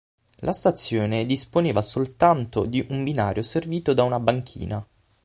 La stazione disponeva soltanto di un binario servito da una banchina.